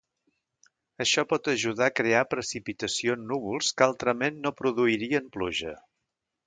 Això pot ajudar a crear precipitació en núvols que altrament no produirien pluja.